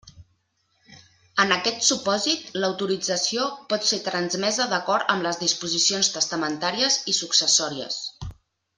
En aquest supòsit, l'autorització pot ser transmesa d'acord amb les disposicions testamentàries i successòries.